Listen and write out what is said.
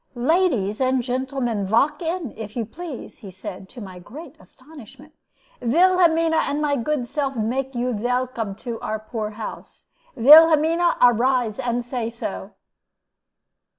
"Ladies and gentlemans, valk in, if you please," he said, to my great astonishment; "Vilhelmina and my good self make you velcome to our poor house. Vilhelmina, arise and say so."